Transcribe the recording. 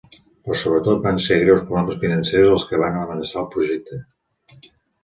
Però sobretot van ser greus problemes financers els que van amenaçar el projecte.